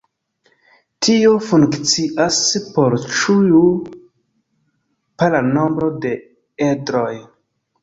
Tio funkcias por ĉiu para nombro de edroj.